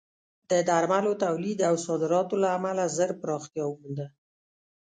د درملو تولید او صادراتو له امله ژر پراختیا ومونده.